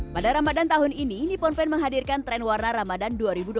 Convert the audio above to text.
pada ramadan tahun ini nippon paint menghadirkan tren warna ramadan dua ribu dua puluh